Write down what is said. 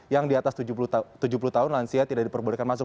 yang di atas tujuh puluh tahun lansia tidak diperbolehkan masuk